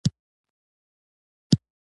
شاعران شعرخواندند او شراب روان شو.